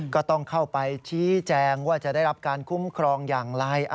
ก็ต้องเข้าไปชี้แจงว่าจะได้รับการคุ้มครองอย่างไร